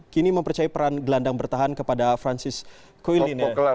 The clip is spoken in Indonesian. kini mempercayai peran gelandang bertahan kepada francis coilin ya